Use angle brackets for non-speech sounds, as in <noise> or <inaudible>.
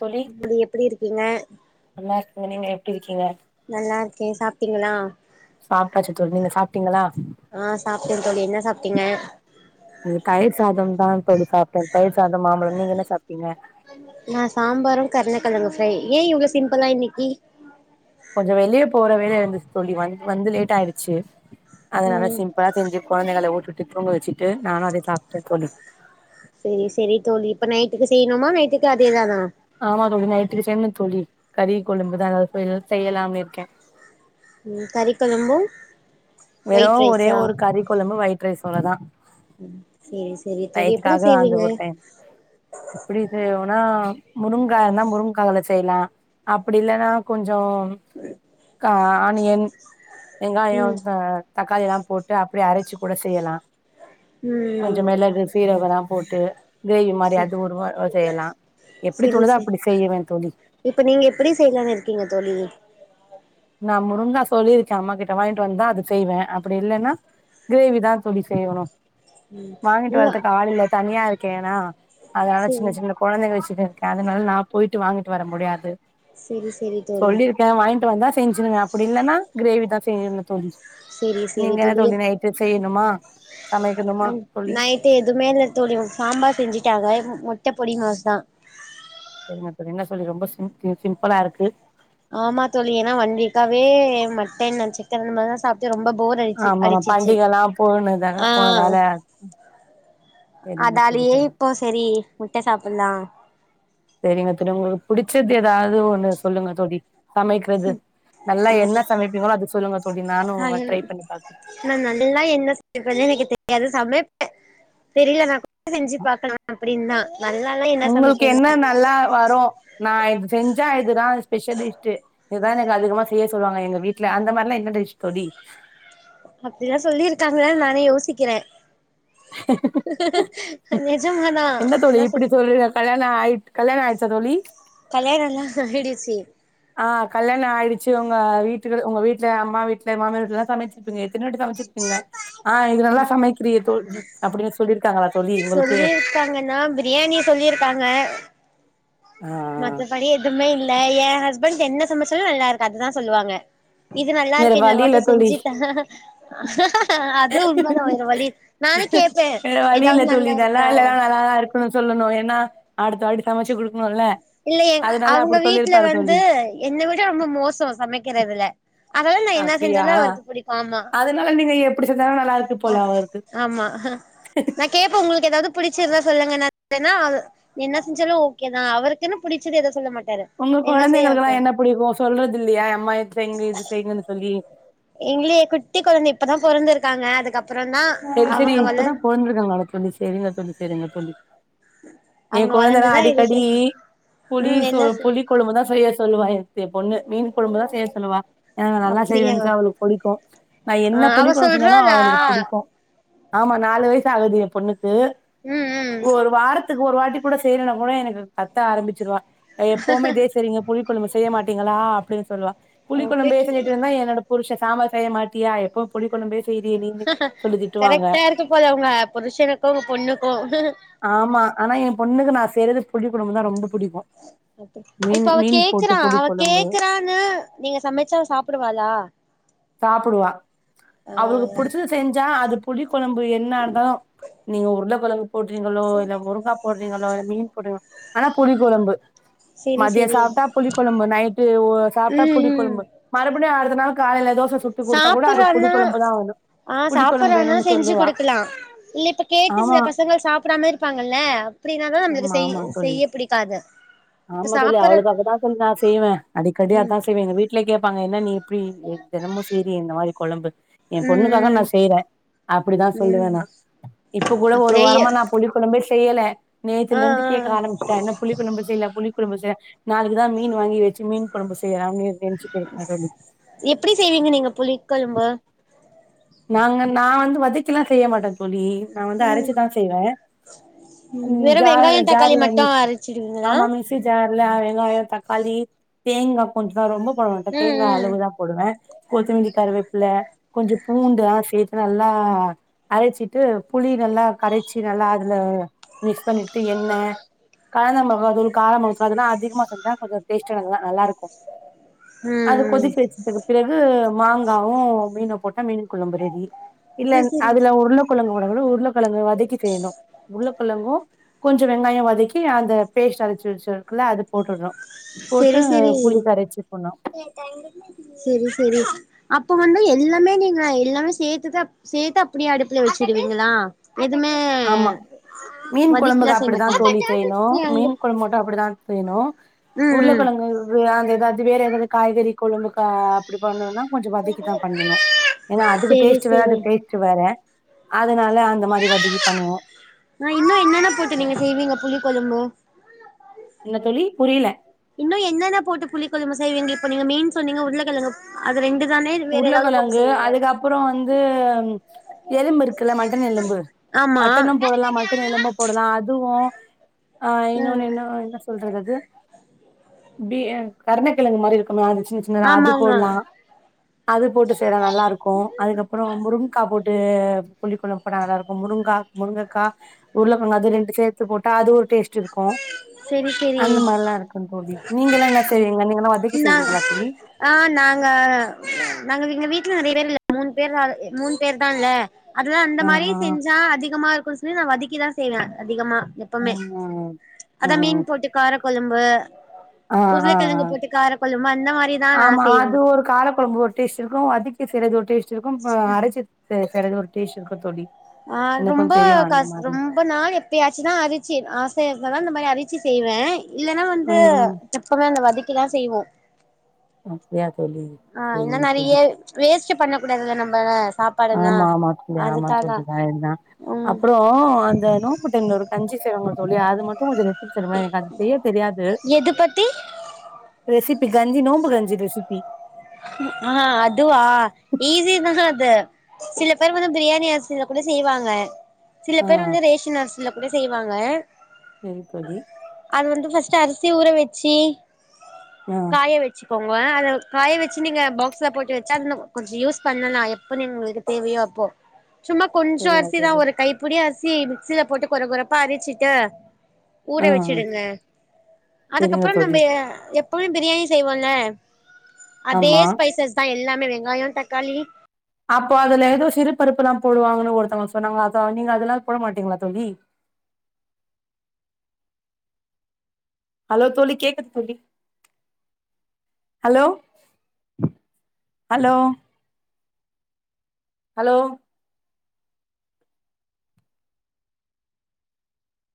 தோழி உம் எப்படிருக்கீங்க நல்லா இருக்கீங்க நீங்க எப்டி இருக்கீங்க நல்லா இருக்கே சாப்பிட்டீங்களா சாப்ட்டாச்சு தோழி நீங்க சாப்ட்டீங்களா ஆஹ் சாப்பிட்டே தோழி என்ன சாப்பிட்டீங்க உம் கயிர் சாததோ தா தோழி சாப்பிட்டே தயிர் சாதம் மாம்பழம் நீங்க என்ன சாப்பிட்டீங்க நா சாம்பாரு கர்ணக்கிழங்கு ஃப்ரை ஏன் இவ்ளோ சிம்பிளா இன்னிக்கி கொஞ்சோ வெளியே போற வேல இருந்துச்சு தோழி வந்து வந்து லேட் ஆயிருச்சு அதனால ம் சிம்பிளா செஞ்சு கொழந்தைகள ஊட்டுடு தூங்க வெச்சுட்டு நானோ அதே சாப்டே தோழி செரி செரி தோழி இப்ப நைட்டுக்கு செய்ணுமா நைட்டுக்கு அதே தான ஆமா தோழி நைட்டுக்கு செய்யுனு தோழி கறி கொழும்புதா எதது போய் செய்யலாம்னு இருக்கே உம் கறி கொழும்பு வெறு ஒரே ஒரு கறி கொழம்பு ஒயிட் ரைஸ் அவ்வளதா செரி செரி தோழி எப்டி வைத்துக்காக அந்த செய்வீங்க ஒரு டைம் எப்படி செய்யோனா முருங்காருந்தா முருங்கால செய்லா அப்படி இல்லன்னா கொஞ்சோ கா ஆன என் வெங்காயோ ம் அஹ் தக்காளிலா போட்டு அப்படியே அரைச்சு கூட செய்யலா கொஞ்சோ ம் மெலகு சீரகலா போட் டு ச எப்டி செரி தோணுதோ செரி அப்டி செய்வே தோழி இப்ப நீங்க எப்டி செய்யலானு இருக்கீங்க தோழி நா முருங்கா சொல்லியிருக்கே அம்மாகிட்ட வாய்ண்டு வாங்கிட்டு வந்தா அது செய்வே அப்படி இல்லைன்னா கிரேவி தா தோழி செய்யணு வாங்கிட்டு உங்க வர்றதுக்கு ஆள் இல்ல தனியா இரு கேனா அதனால செரி சின்ன சின்ன கொழந்தைங்க வெச்சிட்டு கேன் அதனால நா போயிட்டு வாங்கி வர முடியாது செரி செரி தோழி வந்தாஸ் <unintelligible> அப்படி இல்லைன்னா கிரேவிதா செய்யணு தோழி செரி செரி நீங்க என்ன தோழி நைட்டு செய்யணுமா சமைக்கணுமா அ தோழி நைட்டு எதுவுமே இல்ல தோழி சாம்பார் செஞ்சுட்டாங்க முட்ட பொடிமாஸ் தா செரிங்க தோழி என்ன சொல்லி ரொம்ப சிம் சிம்பிளாருக்கு ஆமா தோழி ஏன்னா ஒன் வீக்காவே மட்டன் அண்ட் சிக்கன் அந்தமாரிதா சாப்டு ரொம்ப போ ஆமாமா பண்டிகைலா போணத ஆ போனதால செரிங்க தோழி அதாலயே செரி இப்போ சரி முட்ட சாப்புல்லா செரிங்க தோழி உங்களுக்கு புடிச்சது ஏதாது ஒண்ணு சொல்லுங்க தோழி சமைக்கிறது நல்லா என்ன எனக்கு சமைப்பீங்களோ அது சொல்லுங்க தோழி நானு ஒருவாட் ட்ரை பண்ணி பாக்குறே நா நல்லா பே தெரிலனா செஞ்சு பாக்கலா அப்படின் தா உங்களுக்கு என்ன நல்லா வரும் நான் இது செஞ்சா இதுதான் ஸ்பெஷலிஸ்ட்டு இதுதான் எனக்கு அதிகமா செய்ய சொல்லுவாங்க எங்க வீட்ல அந்த மாரில்லாம் என்ன டிஷ் தோழி அப்பிடிலாம் சொல்லிருக்காங்கலானு நானே யோசிக்கிறேன் நேத் என்ன தோழி இப்டி சொல்றீங்க கல்யாணம் ஆயிட் கல்யாணம் ஆய்டுச்சா தோழி எஸ் இ டி சி அஹ் கல்யாணம் ஆய்டுச்சு இது உங்க வீட்டுகள் உங்க வீட்ல அம்மா வீட்ல மாமியார் வீட்லல்லாம் சமச்சிருப்பீங்க பின்னாடி சமச்சிற்பிங்க அஹ் இது நல்லா சமைக்கிறியே தோ அப்டின்னு சொல்லிருக்காங்களா தோழி உங்களுக்கு சொல்லிருக்காங்கன்னா பிரியாணி ஆ மத்த படி எதுமே இல் இல்ல என் ஹஸ்பண்ட்க்கு என்ன சமைச்சாலும் நல்லா இருக்கு அது தான் சொல்லுவாங்க இது நல்லா வேற இருக்கே இன்னொரு வழி இல்ல வாட்டி தோழி செஞ்சி தா அது உண்மதான் வேற வழி நானே கேப்பேன் வேற வழி இல்ல ஏதாவது தோழி நல்லா இருக்கா இல்லனா நல்லாதா இருக்குன்னு சொல்லணு ஏன்னா அடுத்த வாட்டி சமைச்சி குடு இல்லையே அவுங்க வீட்ல வந்து தோழி என்ன விட ரொம்ப மோசம் சமைக்கறதுல அ அப்டியா அதுனால நீங்க எப்டி செஞ்சாலும் நல்லா இரு அஹ் ஆமா நான் கேப்பங் உங்களுக்கு ஏதாவது புடிச்சிருந்தா சொல்லுங்கன்னாங்க ஏன்னா அது என்ன செஞ்சாலும் ஓகே தான் அவருக்குன்னு புடிச்சது எதும் சொல்ல மாட் உங்க கொழந்தைங்களுக்கு எல்லாம் என்ன புடிக்கும் சொல்றது இல்லையா அம்மா இது செய்யுங்க இது செய்யுங்கன்னு சொல்லி இவுங்களே குட்டி குழந்த இப்பதான் பொறந்திருக்காங்க அதுக்கப் செரி செரி இப்பதான் பொறந்திருக்காங்களா தோழி செரிங்க தோழி செரிங்க தோழி என் அவங்க கொழந்தைலாம் வளந்துதா எது அடிக்கடி செய்யு ம் என்ன புளிசோறு செய் புளிக்கொழ்பு தான் செய்ய சொல்லுவா என் என் பொண்ணு மீன் கொழம்பு தான் செய்ய சொல்லுவா ஏன்னா நான் நல்லா அப்டியா செய்வேன்னுச்சா அவளுக்கு புடிக்கும் நான் ஆ என்ன புளி அவ குழம்பு சொஞ்சாலும் சொல்றாளா அவளுக்கு புடிக்கும் ஆமா நாலு வயசு ஆகுது என் பொண்ணுக் கு ம் ம் ஒரு வாரத்துக்கு ஒரு வாட்டி கூட செய்றேனா கூட எனக்கு கத்த ஆரம்பிச்சிருவா எப்பவுமே இதயே செய்றிங்க புளி கொழம்பு செய்ய மாட்டீங்களா அப்டின்னு சொல்லுவா ஓகே புளிக்கொழம்பையே செஞ்சிட்டு இருந்தா என்னோடப் புதுசா சாம்பார் செய்ய மாட்டியா எப்பவு புளி கொழம்பே செய்றியே நீனு திட்டுவாங்க கரெக்ட்டா இருக்க போது உங்க புருஷனுக்கு உங்க பொண்ணுக்கு ஆமா ஆனா ஏம் பொண்ணுக்கு நா செய்றது புளி கொழம்புதா ரொம்ப புடிக்கு இப்ப மீன் அவ மீன் போட்டு கேக்குறா புளி அவ கொழம்பு கேக்குறான்னு நீங்க சமைச்சா அவ சாப்புடுவாளா சாப்புடுவா அவளுக்கு ஆ புடிச்சத செஞ்சா அது புளி கொழம்பு என்ன இருந்தாலு நீங்க உள்ள கொழம் போட்றீங்களோ இல்ல முருங்கா போட்றீங்களோ இல்ல மீன் போட்றீங் ஆனா புளி கொழம்பு செரி மதியொ செரி சாப்ட்டா புளி கொழம்பு நைட்டு ஒ சாப்ட்டா புளி கொழம்பு மறுபடியு அடுத்த நாள் காலையில தோச சுட்டு குடுத்தா கூட அதுக்கு புளி சாப்புர்றான்னா கொழம்பு தான் வேணும் ஆ புளி கொழம்பு சாப்புர்றானா வேணும்னு செஞ்சி சொல்லுவா குடுக்கலா இல்ல இப்ப கேட்டு ஆமா சில பசங்கள் சாப் ப்டாம இருப்பாங்கல்ல அப்டின்னாதா நம்மளுக்கு ஆமா செய் ஆமா தோழி செய்ய பிடிக்காது இப்ப ஆமா தோழி சாப்புற அவளுக்காகதா தோழி நா செய்வே அடிக்கடி அதா ம் செய்வே எங்க வீட்ல கேப் பாங்க என்னா நீ இப்டி தெனமு செய்றியே இந்த மாரி கொழம்பு ஏம் பொண்ணுக்காக நா ம் செய்ற அப்டிதா சொல்லுவ ம் நா இப்போக் கூட ஒரு அப்டியே வாரமா நா புளிக்கொழம்பே செய்யல ஆ நேத்துலேருந்து ஆ கேக்க ஆரம்பிச்சிட்டா என்ன‌ புளிக் கொழம்பு செய்ல புளிக் கொழம்பு செய்ல நாளக்கி தா மீன் வாங்கி வச்சி மீன் கொழம்பு செய்யலானு எப்டி செய்வீங்க நீங்க புளிக் கொழம்பு நாங்க நா வந்து வதக்கிலா செய்ய மாட்ட தோழி நா வந்து அரச்சிதா செய்வ ம் வெறு ஜார் வெங்காயோ தக்காளி ஜார்ல மட்டு அரச்சிடுவீங்களா ஆமா மிக்ஸி ஜார் ல வெங்காயொ தக்காளி தேங்கா கொஞ்சொதா ரொம்ப போடமாட்ட ம் தேங்கா ம் அளவுதா போடுவ கொத்தமல்லி கருவேப்புல கொஞ்சொ பூண்டு அ சேத்து நல்லா அரச்சிட்டு புளி நல்லா கரச்சி நல்லா அதுல மிக்ஸ் பண்ணிட்டு எண்ணெ கலந்த மெளகா தூள் கார மெளகா தூள் அதெல்லா அதிகமா செஞ்சா கொஞ்சொ டேஸ்ட்டு நல்லா நல்லா இருக்கு ம் அது ம் கொதிக்க வச்சதுக்கு பிறகு மாங்காவு மீனு போட்டா மீன் கொழம்பு ரெடி இல்ல செரி அத் செரி அதுல உருள <unintelligible> உருளக்கெழங்கு வதக்கி செய்யணு உருளக்கெழங்கு கொஞ்சொ வெங்காயொ வதக்கி அந்த பேஸ்ட் அரச்சி வச்சிருக்குள்ள அத போட்டுட்ணு செரி செரி செரி செரி இப்ப வந்து எல்லாமே நீங்க எல்லாமே சேத்துதா சேத்து அப்டியே அடுப்புல வச்சுடுவீங்களா எதுமே ஆமா மீன் வதக்கிலா கொழம்புக்கு செய்ய அப்டித்தா தோழி மாட்டீங்க செய்யணு ம் மீன் கொழம்பு மட்டும் அப்டித்தா செய்யணு உருள ம் கெழங்கு இது <unintelligible> ஏதாது வேற ஏதாது காய்கறி கொழபுக்கு அப்டி பண்ணுனா கொஞ்சம் வதக்கித்தா பண்ணணும் ஏன்னா அதுக்கு செரி பேஸ்ட் வேற செரி டேஸ்ட்டு வேற அத் துனால அந்த மாரி வதக்கிப் ஆ இன்னு என்னென்ன போட்டு நீங்க செய்வீங்க புளி கொழும்பு என்ன தோழி புரியில இன்னு என்னென்ன போட்டு புளி குழம்பு செய்வீங்க இப்ப நீங்க <unintelligible> சொன்னீங்க உருளக்கெழங்கு அது ரெண்டு தானே வேற உருள ஏதாவது போட்டு கெழங்கு செய்வீங்க அதுக்கப்பரோ வந்து எலும்பு இருக்குல்ல மட்டன் எலும்பு ஆமா மட்டனு போடலா மட்டன் எலும்பு போடலா அதுவு ஆ இன்னொன்னு என்னா என்ன சொல்றது அது பி ம் கருண கெழங்கு மாரி இருக்குமெ அது சின்ன சின்னதா அது ஆமாங்க போட்லா அது போட்டு செய்யலா நல்லாருக்கு அதுக்கப்பரோ முருங்கா போட்டு புளிக்கொழம் போட்ட நல்லா இருக் முருங்க முருங்கக்கா உருளகெழங்கு அது ரெண்டு சேத் து போட்டா அது ஒரு டேஸ் டு இருக்கு செரி அந்த செரி மாரில இருக்கு தோழி நிங்க எல்லா என்னா செய் ட்டு <unintelligible> நா ஆஹ் நாங் நாங்க எங்க வீட்டுல நறைய பேர் இல்ல மூன் பேர் நாலு மூன் பேர் தான்ல அதுதா அந்த ஆ மாரி செஞ்சா அதிகமா இருக்கு ந்த நா வதக்கிதா செய்வே அதிகமா ஆ ஆ எப்பமே ஆ அதா மீன் போட்டு காரக்கொழம்பு ஆ உருள ஆ ஆ கெழங்க என்ன கொழம் ஆமா அது ஒரு காரக்கொழம்பு ஒரு டேஸ்ட் இருக்கு அதுக்கு பிறகு ஒரு டேஸ்ட் வச்சிருக்கோ இப்ப அடச்சீட்டு பெறகு ஒரு டேஸ்ட் இருக்கு தோழி ஆஹ் எனக்கு ரொம்ப தெரியு அந்த காஸ் மாரி ரொம்ப நாள் எப்பயாச்சுதா அவுச்சி ஆசைய முன்னால இந்தமாரி அவிச்சி செய்வே இல்லனா வந்து ம் ம் <inaudible> வதக் தா செய்வோ அப்டியா தோழி ஆ இன்னு சேரிங்க நெறைய தோழி வேஸ்ட் பண்ணக் கூடாதுல நம்ம <unintelligible> ஆமா ஆமா அதுக்காக <unintelligible> ம் அப்றோ அந்த நோம்பு டைம்ல ஒரு கஞ்சி செய்வாங்னு தோங அது மட்டு கொஞ்ச ரெசிபி சொல்லி தர முடியுமா அது செய்ய தெரியாது எது பத்தி ரெசிப் கஞ்சி நோம்பு கஞ்சி ரெசிப்பி ஆஹ் அதுவா ஈஸிதா அது சில பேர் வந்து பிரியாணி அரிசில கூட செய்வாங்க சில ஆ பேர் வந்து ரேஷன் அரிசில கூட செய்வ் வாங்க திருப்பதி அது வந்து ஃபஸ்டு அரிசி ஊற வெச்சு ஆ காய வெச்சு பொங்க அளவ் காய வச்சு நீங்க பாக்ஸ்ல போட்டு வச் ச்சரனு கொஞ்சோ யூஸ் பண்ணலா எப்ப நீ உங்களுக்கு தேவையோ அப்போ சும்மா கொஞ்ச செரிங்க அரிசிதா தோழி ஒரு கைப்பிடி அரிஸ் சி மிக்சில போட்டு கொற கொறப்பா அரிச்சிட்டு ஊற ஆ வெச்சுடுங்க செரிங்க அதுக்கப்பறம் தோழி நம்ம எப் ஃபுல் பிரியாணி செய்வோல்ல அதே ஆமா ஸ்பைசஸ் தா எல்லா ம் வெங்காய தக்காளி அப்போ அதுல ஏதோ சிறு பருப்பெல்லா போடுவாங்கன்னு ஒருத்தங்க சொன்னாங்க அத நீங்க அதெல்லா போட மாட்டீங்களா தோழி அலோ தோழி கேக்குத் தோழி ஹலோ ஹலோ ஹலோ